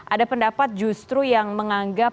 ada pendapat justru yang menganggap putusan untuk ricky